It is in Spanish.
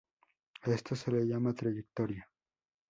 A esto se le llama trayectoria.